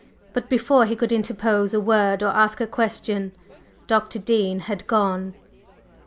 But before he could interpose a word or ask a question, Dr. Dean had gone.